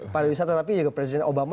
pariwisata tapi juga presiden obama